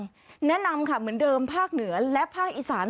แนะนำค่ะเหมือนเดิมภาคเหนือและภาคอีสาน